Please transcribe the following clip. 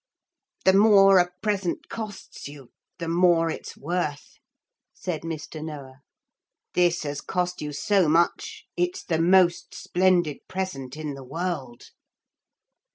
'The more a present costs you, the more it's worth,' said Mr. Noah. 'This has cost you so much, it's the most splendid present in the world.'